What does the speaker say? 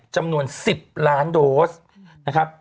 จำนวน๑๐ล้านโดสนะครับ